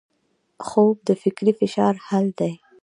خوب د فکري فشار حل دی